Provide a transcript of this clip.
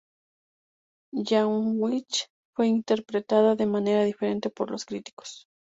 Yahweh fue interpretada de manera diferente por los críticos.